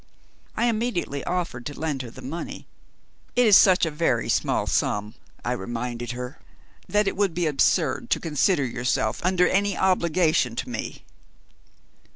I immediately offered to lend her the money. "It is such a very small sum," I reminded her, "that it would be absurd to consider yourself under any obligation to me."